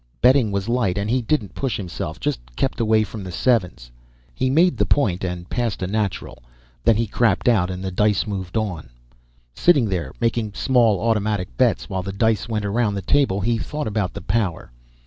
Betting was light and he didn't push himself, just kept away from the sevens. He made the point and passed a natural. Then he crapped out and the dice moved on. Sitting there, making small automatic bets while the dice went around the table, he thought about the power.